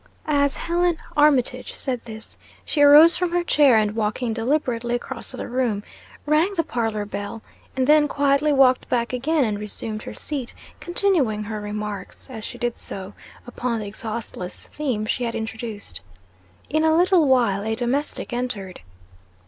As Helen Armitage said this, she arose from her chair, and walking deliberately across the room, rang the parlor bell, and then quietly walked back again and resumed her seat, continuing her remarks as she did so, upon the exhaustless theme she had introduced. In a little while a domestic entered.